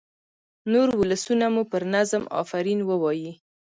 نور ولسونه مو پر نظم آفرین ووايي.